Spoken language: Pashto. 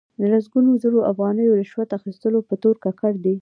د لسګونو زرو افغانیو رشوت اخستلو په تور ککړ دي.